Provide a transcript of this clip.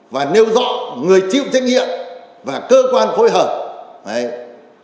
và nêu rõ người chịu trách nhiệm và cơ quan phối hợp